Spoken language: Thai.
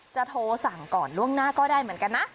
โทรสั่งก่อนล่วงหน้าก็ได้เหมือนกันนะ